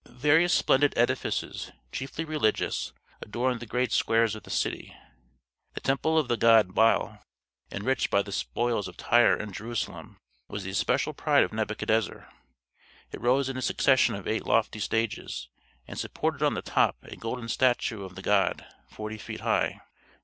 Various splendid edifices, chiefly religious, adorned the great squares of the city: the temple of the god Bel, enriched by the spoils of Tyre and Jerusalem, was the especial pride of Nebuchadnezzar. It rose in a succession of eight lofty stages, and supported on the top a golden statue of the god, forty feet high.